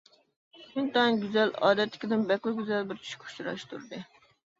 ئىنتايىن گۈزەل، ئادەتتىكىدىن بەكلا گۈزەل بىر چۈشكە ئۇچراشتۇردى.